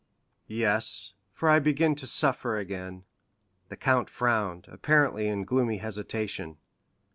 "Yes; for I begin to suffer again." The count frowned, apparently in gloomy hesitation.